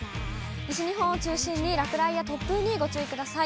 西日本を中心に落雷や突風にご注意ください。